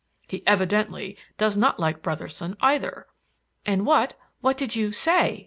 He evidently does not like Brotherson either." "And what what did you say?"